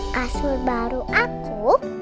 kasur baru aku